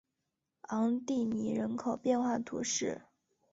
昂蒂尼人口变化图示